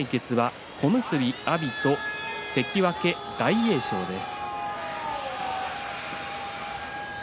今日の三役対決は小結阿炎と関脇大栄翔です。